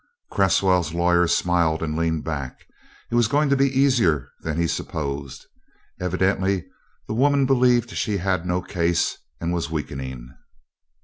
Cresswell's lawyer smiled and leaned back. It was going to be easier than he supposed. Evidently the woman believed she had no case, and was weakening.